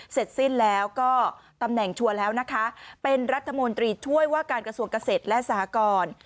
เสร็จสิ้นแล้วก็ตำแหน่งชัวร์แล้วนะคะเป็นรัฐมนตรีช่วยว่าการกระทรวงเกษตรและสหกร